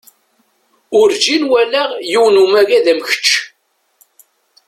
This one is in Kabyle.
Urǧin walaɣ yiwen umagad am kečč.